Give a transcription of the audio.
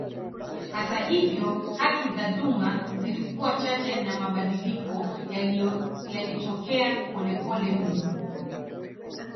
Hata hivyo haki za duma zilikuwa chache na mabadiliko yalitokea polepole mno.